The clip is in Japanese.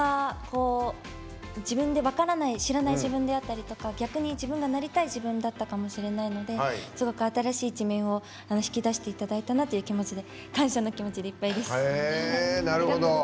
自分で分からない知らない自分だったりとか逆になりたい自分かもしれないのですごく新しい一面を引き出していただいたなという感じで感謝の気持ちでいっぱいです。